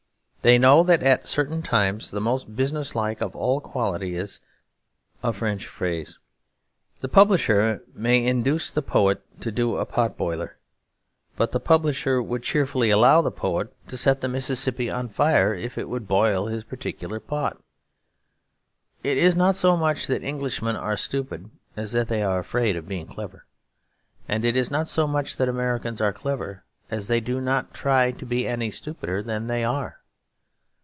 They know that at certain times the most businesslike of all qualities is 'l'audace, et encore de l'audace, et toujours de l'audace.' The publisher may induce the poet to do a pot boiler; but the publisher would cheerfully allow the poet to set the Mississippi on fire, if it would boil his particular pot. It is not so much that Englishmen are stupid as that they are afraid of being clever; and it is not so much that Americans are clever as that they do not try to be any stupider than they are.